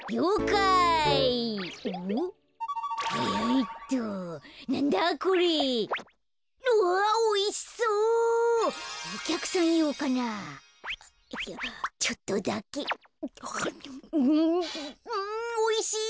あむうんおいしい。